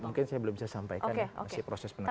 mungkin saya belum bisa sampaikan ya masih proses penanganan